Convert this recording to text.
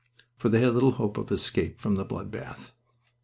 For they had had little hope of escape from the blood bath.